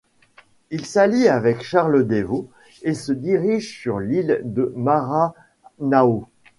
Il s’allie avec Charles Des Vaux et se dirige sur l’île de Maranhao.